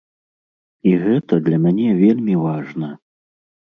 І гэта для мяне вельмі важна.